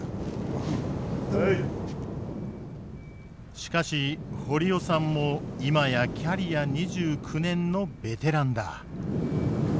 しかし堀尾さんも今やキャリア２９年のベテランだ。